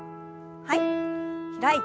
はい。